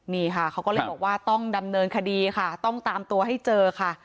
นี่ค่ะเขาก็เลยบอกว่าต้องดำเนินคดีค่ะต้องตามตัวให้เจอค่ะ